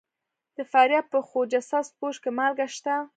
د فاریاب په خواجه سبز پوش کې مالګه شته.